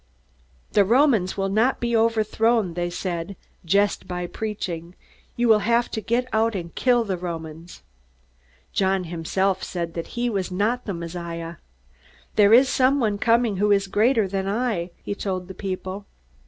"The Romans will not be overthrown," they said, "just by preaching. You will have to get out and kill the Romans." John himself said that he was not the Messiah. "There is someone coming who is greater than I," he told the people.